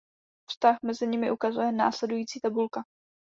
Vztah mezi nimi ukazuje následující tabulka.